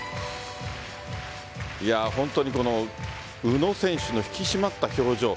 本当にこの宇野選手の引き締まった表情。